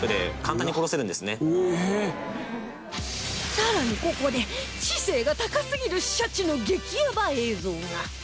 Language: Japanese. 更にここで知性が高すぎるシャチの激ヤバ映像が